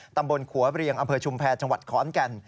ตำบลขัวเรียงอำเภอชุมแพรจังหวัดขอนแก่น